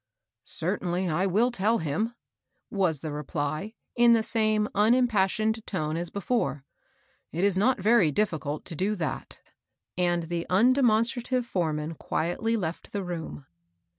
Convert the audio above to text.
" Certainly I will tell him," was the reply, in the same unimpassioned tone as before. " It is not very difficult to do that ;" and the undemonstrative foreman quietly left the room.